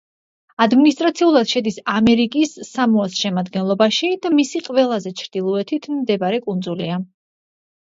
ადმინისტრაციულად შედის ამერიკის სამოას შემადგენლობაში და მისი ყველაზე ჩრდილოეთით მდებარე კუნძულია.